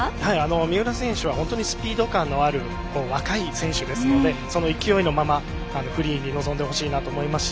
三浦選手はスピード感のある若い選手ですのでその勢いのままフリーに臨んでほしいなと思いますし。